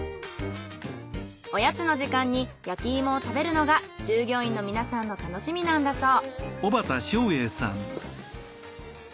おやつの時間に焼き芋を食べるのが従業員の皆さんの楽しみなんだそう。